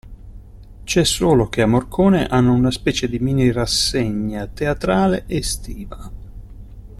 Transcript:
C'è solo che a Morcone hanno una specie di minirassegna teatrale estiva.